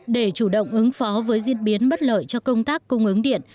để chủ động ứng phó với diễn biến bất lợi cho công tác cung ứng điện